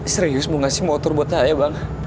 serius mau ngasih motor buat saya bang